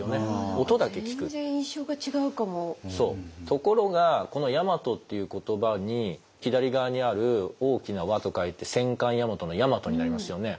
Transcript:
ところがこの「やまと」っていう言葉に左側にある「大きな和」と書いて戦艦「大和」の「大和」になりますよね。